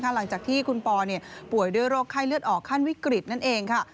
หลังจากที่คุณปอป่วยด้วยโรคไข้เลือดออกขั้นวิกฤตนั่นเองค่ะ